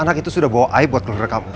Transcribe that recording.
anak itu sudah bawa aib buat keluarga kamu